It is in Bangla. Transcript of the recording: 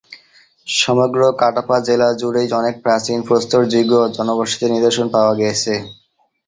সমগ্র কাডাপা জেলা জুড়েই অনেক প্রাচীন প্রস্তরযুগীয় জনবসতির নিদর্শন পাওয়া গিয়েছে।